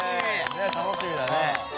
ねっ楽しみだね。